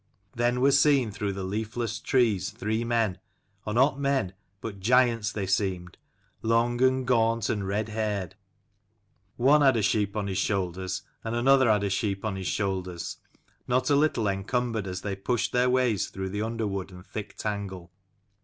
Then were seen through the leafless trees three men, or not men but giants they seemed, long and gaunt and red haired. One had a sheep on his shoulders, and another had a sheep on his shoulders, not a little encumbered as they pushed their ways through the underwood and thick tangle.